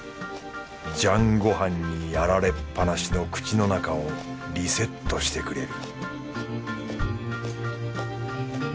醤ご飯にやられっぱなしの口の中をリセットしてくれる